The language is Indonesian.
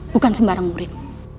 bukan sembarang murid